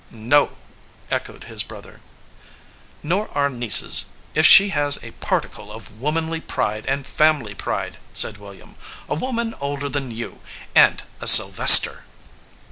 "No," echoed his brother. "Nor our niece s, if she has a particle of womanly pride and family pride," said William. "A woman older than you, and a Sylvester."